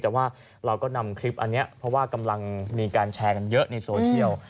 แต่ว่าเราก็นำคลิปอันนี้เพราะว่ากำลังมีการแชร์กันเยอะในโซเชียล